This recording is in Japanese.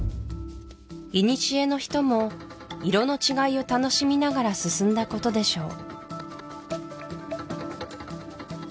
いにしえの人も色の違いを楽しみながら進んだことでしょう